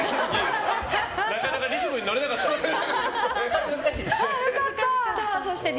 なかなかリズムに乗れなかったね。